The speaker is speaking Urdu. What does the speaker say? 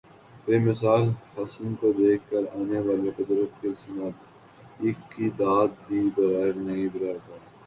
بے مثال حسن کو دیکھ کر آنے والے قدرت کی صناعی کی داد دئے بغیر نہیں رہ پاتے ۔